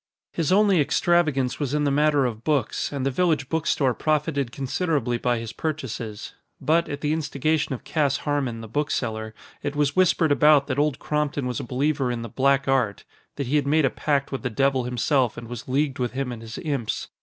His only extravagance was in the matter of books, and the village book store profited considerably by his purchases. But, at the instigation of Cass Harmon, the bookseller, it was whispered about that Old Crompton was a believer in the black art that he had made a pact with the devil himself and was leagued with him and his imps.